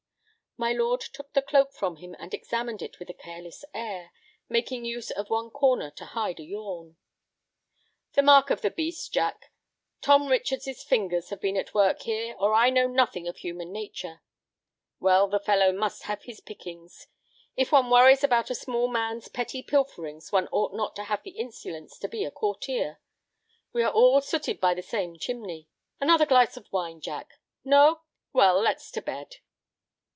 My lord took the cloak from him and examined it with a careless air, making use of one corner to hide a yawn. "The mark of the beast, Jack. Tom Richards' fingers have been at work here, or I know nothing of human nature. Well, the fellow must have his pickings. If one worries about a small man's petty pilferings one ought not to have the insolence to be a courtier. We are all sooted by the same chimney. Another glass of wine, Jack? No? Well, let's to bed."